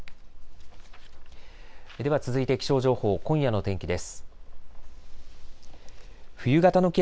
では続いて気象情報、今夜の天気です。